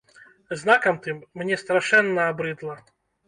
Знакам тым, мне страшэнна абрыдла.